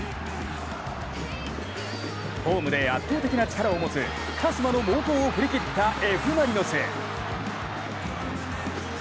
ホームで圧倒的な力をを持つ鹿島の猛攻を振り切ったＦ・マリノス。